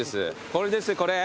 これですこれ。